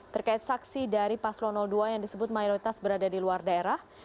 terkait saksi dari paslon dua yang disebut mayoritas berada di luar daerah